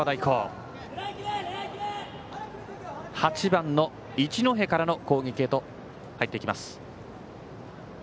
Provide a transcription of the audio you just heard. ８番の一ノ戸からの攻撃へと入っていきます。